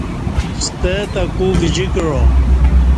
ستہ تہ کو گجی کعا